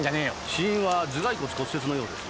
死因は頭蓋骨骨折のようです。